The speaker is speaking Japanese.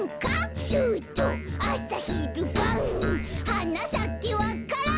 「はなさけわか蘭」